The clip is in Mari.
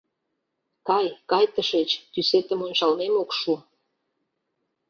Кай, кай тышеч: тӱсетым ончалмем ок шу!..